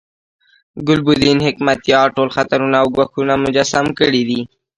ګلبدین حکمتیار ټول خطرونه او ګواښونه مجسم کړي دي.